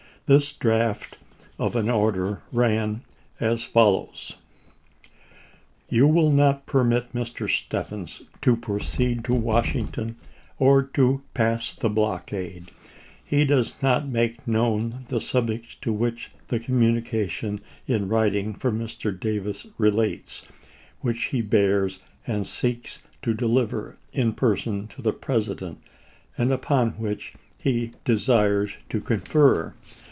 This draft of an order ran as follows: You will not permit Mr. Stephens to proceed to Wash ington or to pass the blockade. He does not make known the subjects to which the communication in writing from Mr. Davis relates, which he bears and seeks to deliver in person to the President, and upon which he desires to confer.